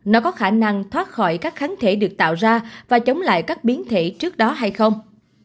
nó có khả năng thoát khỏi các kháng thể được tạo ra và chống lại các biến thể trước đó hay không